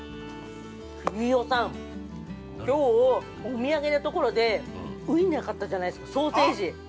飯尾さん、きょうお土産のところでウインナー買ったじゃないですか、ソーセージ。